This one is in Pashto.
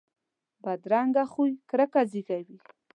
بدرنګه خوی کرکه زیږوي